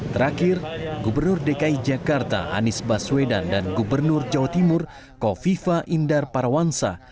terakhir gubernur dki jakarta anies baswedan dan gubernur jawa timur kofifa indar parawansa